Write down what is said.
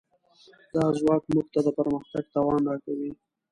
دا ځواک موږ ته د پرمختګ توان راکوي.